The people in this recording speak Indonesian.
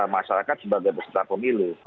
masyarakat sebagai peserta pemilu